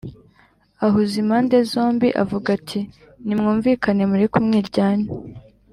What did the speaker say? Ahuza impande zombi avuga ati nimwumvikane mureke umwiryane